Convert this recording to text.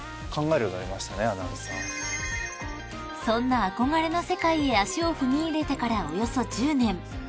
［そんな憧れの世界へ足を踏み入れてからおよそ１０年］